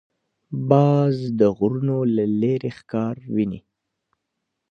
باز د غرونو له لیرې ښکار ویني